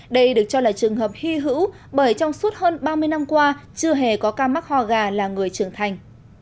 đây được cho là trường hợp hy hữu bởi trong suốt hơn ba mươi năm qua chưa hề có ca mắc ho gà là người trưởng thành